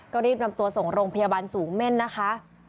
ก็รีบนำตัวส่งโรงพยาบาลสูงเม่นนะคะ